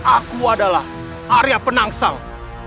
aku adalah arya penangsang